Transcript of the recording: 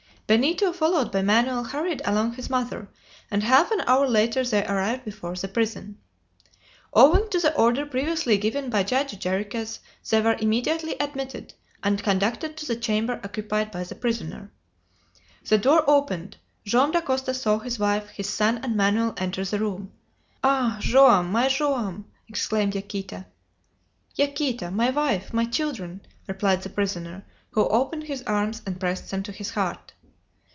Benito, followed by Manoel, hurried along his mother, and half an hour later they arrived before the prison. Owing to the order previously given by Judge Jarriquez they were immediately admitted, and conducted to the chamber occupied by the prisoner. The door opened. Joam Dacosta saw his wife, his son, and Manoel enter the room. "Ah! Joam, my Joam!" exclaimed Yaquita. "Yaquita! my wife! my children!" replied the prisoner, who opened his arms and pressed them to his heart.